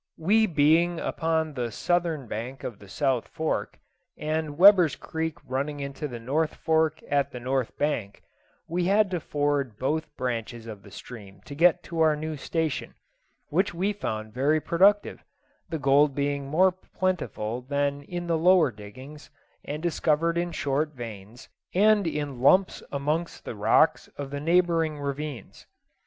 We being upon the southern bank of the South Fork, and Weber's Creek running into the North Fork at the north bank, we had to ford both branches of the stream to get to our new station, which we found very productive; the gold being more plentiful than in the lower diggings, and discovered in short veins, and in lumps amongst the rocks of the neighbouring ravines.